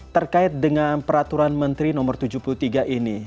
terkait dengan peraturan menteri no tujuh puluh tiga tahun dua ribu dua puluh dua